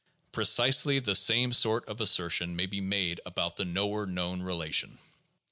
Precisely the same sort of assertions may be made about the knower known relation.